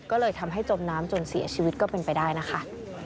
ก็เลยทำให้จมน้ำจนเสียชีวิตก็เป็นไปได้นะคะ